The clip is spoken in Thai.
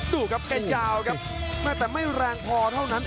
ดูครับแกยาวครับแม่แต่ไม่แรงพอเท่านั้น